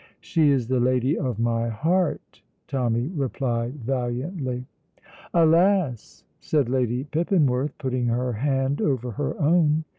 "She is the lady of my heart," Tommy replied valiantly. "Alas!" said Lady Pippinworth, putting her hand over her own.